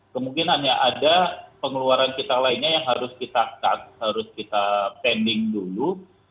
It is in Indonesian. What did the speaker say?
kemungkinannya ada pengeluaran kita lainnya yang harus kita cut harus kita pending dulu